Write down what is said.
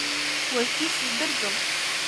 Уажәгьы исыздырӡом.